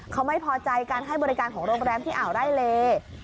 เขาไม่พอใจการให้บริการของโรงแรมที่อ่าวไร่เล